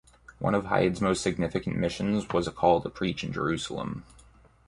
One of Hyde's most significant missions was a call to preach in Jerusalem.